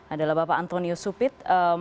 adalah bapak antonio supit